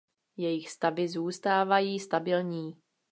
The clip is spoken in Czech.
Jejich stavy zůstávají stabilní.